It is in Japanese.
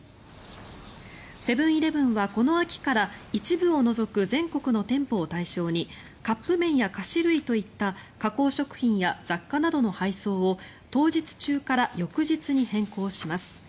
セブン−イレブンはこの秋から一部を除く全国の店舗を対象にカップ麺や菓子類といった加工食品や雑貨などの配送を当日中から翌日に変更します。